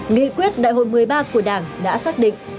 nghị quyết đại hội một mươi ba của đảng đã xác định